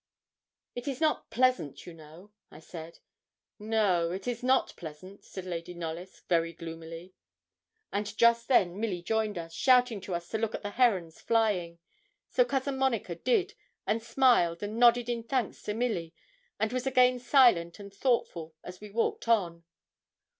'It is not pleasant, you know,' I said. 'No, it is not pleasant,' said Lady Knollys, very gloomily. And just then Milly joined us, shouting to us to look at the herons flying; so Cousin Monica did, and smiled and nodded in thanks to Milly, and was again silent and thoughtful as we walked on.